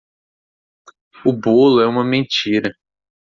O bolo é uma mentira.